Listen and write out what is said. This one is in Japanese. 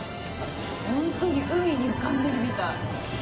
本当に海に浮かんでるみたい。